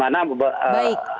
ya akurat dimana